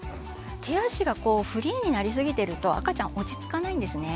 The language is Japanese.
手足がフリーになりすぎてると赤ちゃん落ち着かないんですね。